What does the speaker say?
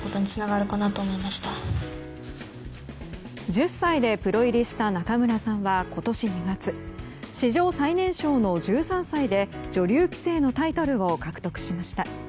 １０歳でプロ入りした仲邑さんは今年２月史上最年少の１３歳で女流棋聖のタイトルを獲得しました。